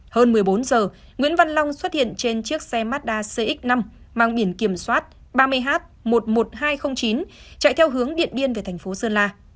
hơn một mươi bốn giờ nguyễn văn long xuất hiện trên chiếc xe mazda cx năm mang biển kiểm soát ba mươi h một mươi một nghìn hai trăm linh chín chạy theo hướng điện biên về thành phố sơn la